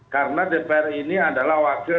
karena dpr ini adalah wakil